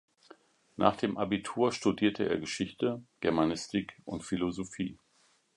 Nach dem Abitur studierte er Geschichte, Germanistik und Philosophie.